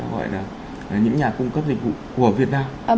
gọi là những nhà cung cấp dịch vụ của việt nam